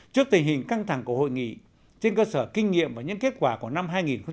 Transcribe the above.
trước tình hình căng thẳng của hội nghị trên cơ sở kinh nghiệm và những kết quả của năm hai nghìn một mươi chín